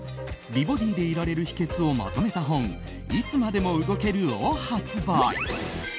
美ボディでいられる秘訣をまとめた本「いつまでも動ける。」を発売。